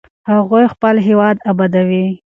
هغوی خپل هېواد ابادوي.